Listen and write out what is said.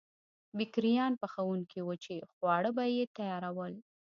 بېکریان پخوونکي وو چې خواړه به یې تیارول.